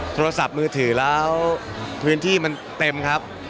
โทรศัพท์มือถือแล้วพื้นที่มันเต็มครับ